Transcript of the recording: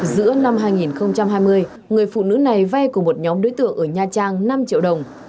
giữa năm hai nghìn hai mươi người phụ nữ này vay của một nhóm đối tượng ở nha trang năm triệu đồng